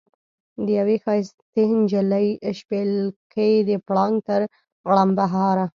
د یوې ښایستې نجلۍ شپېلکی د پړانګ تر غړمبهاره.